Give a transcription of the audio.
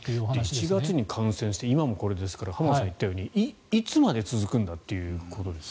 １月に感染して今もこれですから浜田さんが言ったようにいつまで続くんだということですよね。